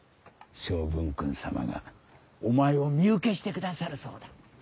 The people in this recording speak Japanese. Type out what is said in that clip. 昌文君様がお前を身請けしてくださるそうだ。